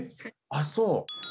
あっそう。